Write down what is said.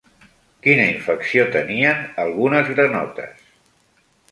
Quina infecció tenien algunes granotes?